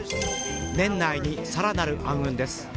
年内に更なる暗雲です。